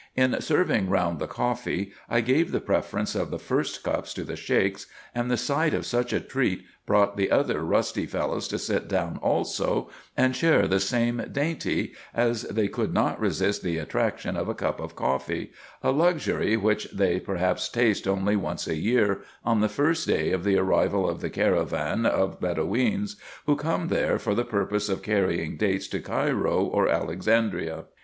In serving round the coffee, I gave the preference of the first cups to the Sheiks, and the sight of such a treat brought the other rusty fellows to sit down also and share the same dainty, as they could not resist the attraction of a cup of coffee, a luxury which they perhaps taste only once a year, on the first day of the arrival of the caravan of Bedo weens, who come there for the purpose of carrying dates to Cairo or Alexandria.